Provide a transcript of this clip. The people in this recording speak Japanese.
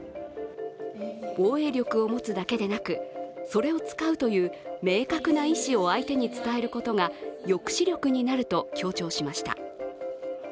防衛力を持つだけでなく、それを使うという明確な意思を相手に伝えることが抑止力になると強調しました。